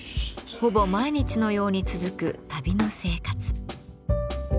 ほぼ毎日のように続く旅の生活。